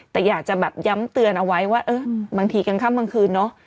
แต่อยากจะแบบย้ำเตือนเอาไว้ว่าเออบางทีกลางค่ำกลางคืนเนอะ